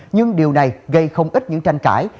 nhưng điều này gây không ít những tranh cãi